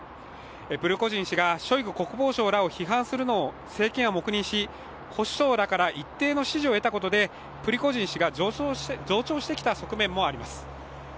プリゴジン氏がショイグ国防相を批判するのを政権は黙認し保守層らから一定の支持を得たことでプリゴジン氏が増長してきた側面もあります。